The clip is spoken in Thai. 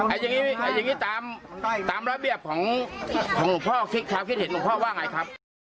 อันนี้ตามระเบียบของของหนูพ่อคราวคิดเห็นของหนูพ่อว่าไงครับ